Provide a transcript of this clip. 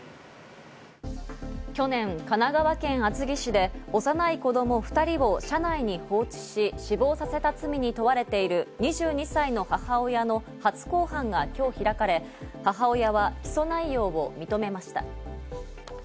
去年、神奈川県厚木市で幼い子供２人を車内に放置し死亡させた罪に問われている２２歳の母親の初公判が今日開かれ、母親は起訴内容を認めました。